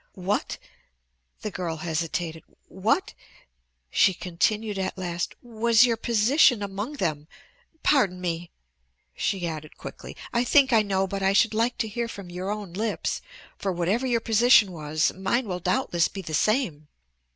"What" the girl hesitated "what," she continued at last, "was your position among them? Pardon me," she added quickly, "I think I know but I should like to hear from your own lips, for whatever your position was, mine will doubtless be the same."